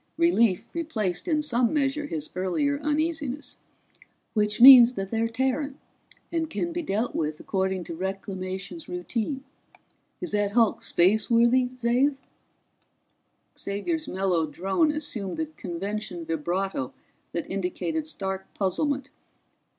Relief replaced in some measure his earlier uneasiness. "Which means that they're Terran, and can be dealt with according to Reclamations routine. Is that hulk spaceworthy, Xav?" Xavier's mellow drone assumed the convention vibrato that indicated stark puzzlement.